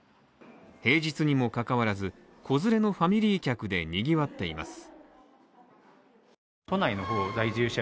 平日にも関わらず、子連れのファミリー客で賑わっています。